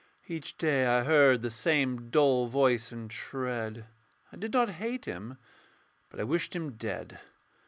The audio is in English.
Each day I heard the same dull voice and tread; I did not hate him: but I wished him dead.